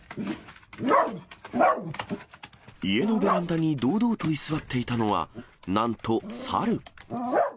家のベランダに堂々と居座っていたのは、なんと猿。